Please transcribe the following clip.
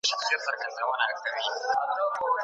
تاسو به پکي ورک نه سئ.